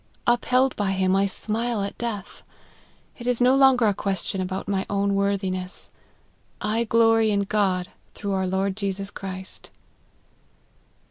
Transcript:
Upheld by him, I smile at death. It is no longer a question about my own worthiness. I glory in God, through our Lord Jesus Christ."